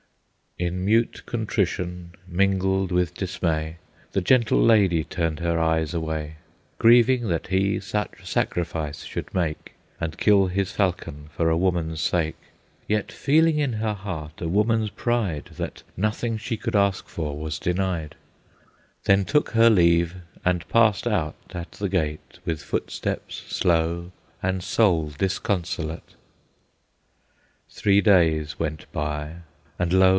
In mute contrition, mingled with dismay, The gentle lady turned her eyes away, Grieving that he such sacrifice should make, And kill his falcon for a woman's sake, Yet feeling in her heart a woman's pride, That nothing she could ask for was denied; Then took her leave, and passed out at the gate With footstep slow and soul disconsolate. Three days went by, and lo!